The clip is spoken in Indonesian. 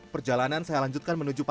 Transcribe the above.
perjalanan saya lanjutkan menuju ke